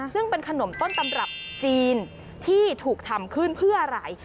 ซึ่งเป็นขนมต้นตำรับจีนที่ถูกทำขึ้นเพื่ออะไร